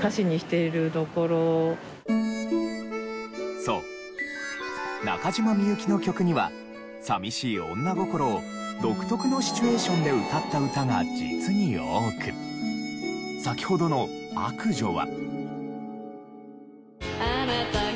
そう中島みゆきの曲には寂しい女心を独特のシチュエーションで歌った歌が実に多く先ほどの『悪女』は。